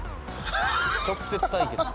「直接対決」